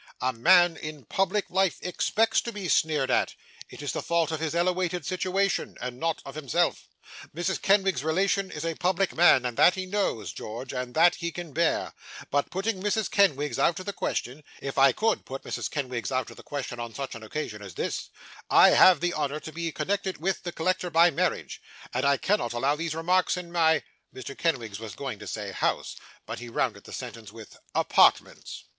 A man in public life expects to be sneered at it is the fault of his elewated sitiwation, and not of himself. Mrs. Kenwigs's relation is a public man, and that he knows, George, and that he can bear; but putting Mrs. Kenwigs out of the question (if I COULD put Mrs. Kenwigs out of the question on such an occasion as this), I have the honour to be connected with the collector by marriage; and I cannot allow these remarks in my ' Mr. Kenwigs was going to say 'house,' but he rounded the sentence with 'apartments'.